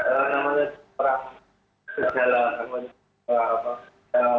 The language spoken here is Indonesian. seberapa sejalan apa apa